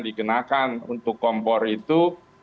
digunakan untuk kompor itu